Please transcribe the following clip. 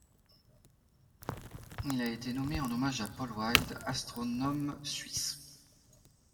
Il a été nommé en hommage à Paul Wild, astronome suisse.